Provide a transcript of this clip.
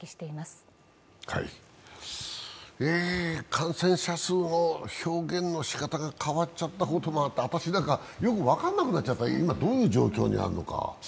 感染者数の表現の仕方が変わっちゃったこともあって、私なんかよく分かんなくなっちゃった、今、どういう状況にあるのか。